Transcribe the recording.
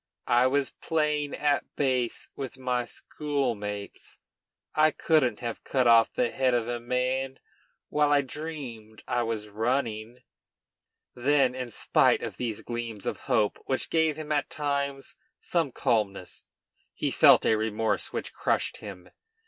I was playing at base with my schoolmates. I couldn't have cut off the head of a man while I dreamed I was running." Then, in spite of these gleams of hope, which gave him at times some calmness, he felt a remorse which crushed him.